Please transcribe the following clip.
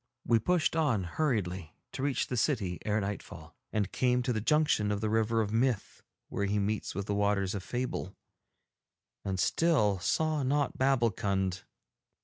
We pushed on hurriedly to reach the city ere nightfall, and came to the junction of the River of Myth where he meets with the Waters of Fable, and still saw not Babbulkund.